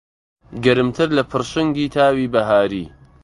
گەرمتر لە پڕشنگی تاوی بەهاری